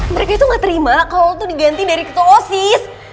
mereka itu gak terima kalau lu tuh diganti dari ketulosis